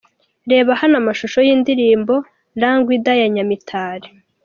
Reba hano amashusho y'Indirimbo 'Rangwida' ya Nyamitali.